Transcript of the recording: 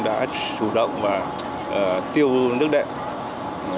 đã chủ động và tiêu nước đệm